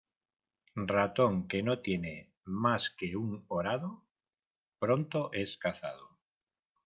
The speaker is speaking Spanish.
Ratón que no tiene más que un horado, pronto es cazado.